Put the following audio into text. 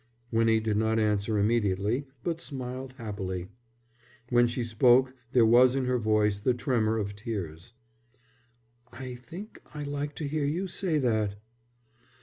Winnie did not answer immediately, but smiled happily. When she spoke there was in her voice the tremor of tears. "I think I like to hear you say that."